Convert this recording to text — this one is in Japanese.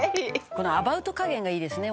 「このアバウト加減がいいですね。